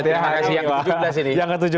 terima kasih yang ke tujuh belas ini